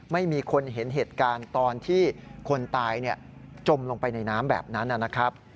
ไม่มีคนเห็นเหตุการณ์ตอนที่คนตายจมลงไปในน้ำแบบนั้นนะครับ